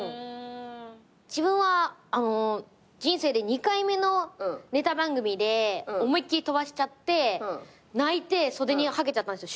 自分は人生で２回目のネタ番組で思いっきり飛ばしちゃって泣いて袖にはけちゃったんですよ